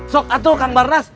sok atuh kang barnas